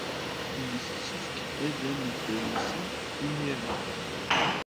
Yessefk ad am-d-alsent imir-a.